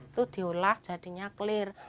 itu diolah jadinya kelir